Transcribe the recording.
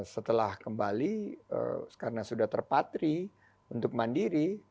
setelah kembali karena sudah terpatri untuk mandiri